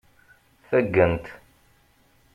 Taggent.